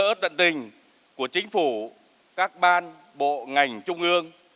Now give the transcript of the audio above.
sự quan tâm giúp đỡ tận tình của chính phủ các ban bộ ngành trung ương